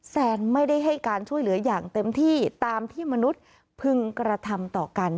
แซนไม่ได้ให้การช่วยเหลืออย่างเต็มที่ตามที่มนุษย์พึงกระทำต่อกัน